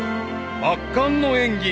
［圧巻の演技。